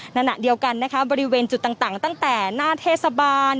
ขณะเดียวกันนะคะบริเวณจุดต่างตั้งแต่หน้าเทศบาล